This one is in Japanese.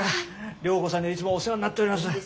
涼子さんにはいつもお世話になっております。